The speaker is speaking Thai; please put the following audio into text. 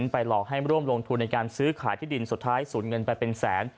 หลอกให้ร่วมลงทุนในการซื้อขายที่ดินสุดท้ายสูญเงินไปเป็นแสน